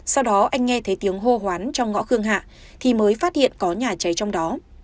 sau đó anh nghe thấy tiếng hô hoán trong ngõ khương hạ thì mới phát hiện có nhà cháy trong đó